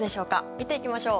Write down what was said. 見ていきましょう。